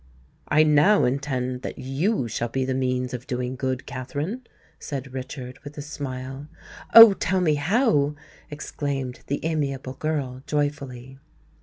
"I now intend that you shall be the means of doing good, Katherine," said Richard, with a smile. "Oh! tell me how!" exclaimed the amiable girl, joyfully.